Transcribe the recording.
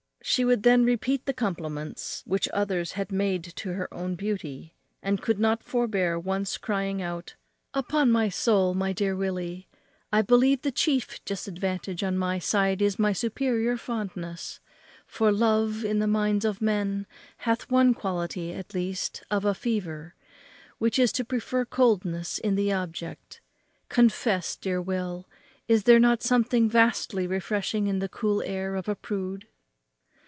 She would then repeat the compliments which others had made to her own beauty, and could not forbear once crying out, "Upon my soul, my dear Billy, I believe the chief disadvantage on my side is my superior fondness; for love, in the minds of men, hath one quality, at least, of a fever, which is to prefer coldness in the object. Confess, dear Will, is there not something vastly refreshing in the cool air of a prude?"